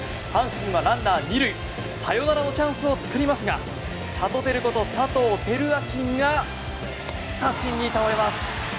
阪神はサヨナラのチャンスを作りますがサトテルこと佐藤輝明が三振に倒れます。